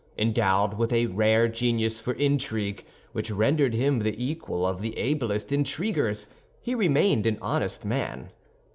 Endowed with a rare genius for intrigue which rendered him the equal of the ablest intriguers, he remained an honest man.